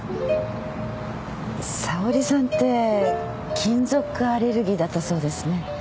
沙織さんって金属アレルギーだったそうですね。